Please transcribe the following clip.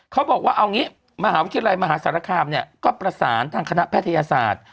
เขาบอกว่าเอางี้มหาวิทยาลัยมหาสารคามเนี่ยก็ประสานทางคณะแพทยศาสตร์